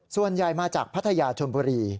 ส่วนใหญ่มาจากพัทยาชนบุรี